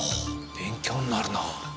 勉強になるなぁ。